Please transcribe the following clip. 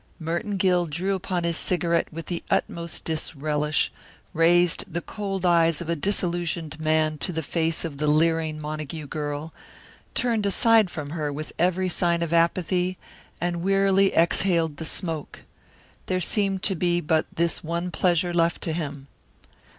Merton Gill drew upon his cigarette with the utmost disrelish, raised the cold eyes of a disillusioned man to the face of the leering Montague girl, turned aside from her with every sign of apathy, and wearily exhaled the smoke. There seemed to be but this one pleasure left to him.